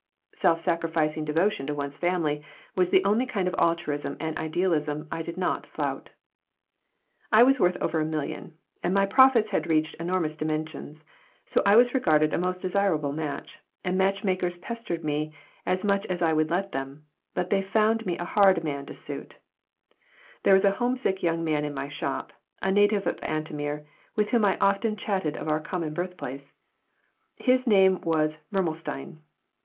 Self sacrificing devotion to one's family was the only kind of altruism and idealism I did not flout I was worth over a million, and my profits had reached enormous dimensions, so I was regarded a most desirable match, and match makers pestered me as much as I would let them, but they found me a hard man to suit There was a homesick young man in my shop, a native of Antomir, with whom I often chatted of our common birthplace. His name was Mirmelstein.